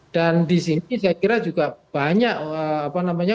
dan di sini saya kira juga banyak apa namanya